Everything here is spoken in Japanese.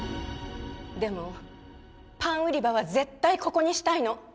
でもパン売り場は絶対ここにしたいの。